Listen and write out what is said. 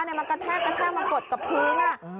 แล้วมันกระแทกกระแทกมากดกะพื้ง